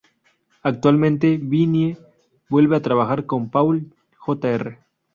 Actualmente, Vinnie vuelve a trabajar con Paul Jr.